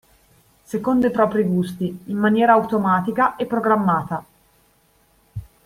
Secondo i propri gusti, in maniera automatica e programmata.